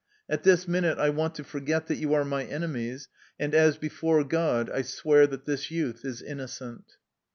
At this minute I want to for get that you are my enemies, and, as before God, I swear that this youth is innocent."